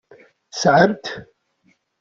Tesɛam-t?